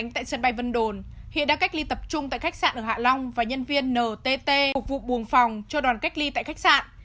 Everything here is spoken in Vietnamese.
tại sân bay vân đồn hiện đang cách ly tập trung tại khách sạn ở hạ long và nhân viên ntt phục vụ buồng phòng cho đoàn cách ly tại khách sạn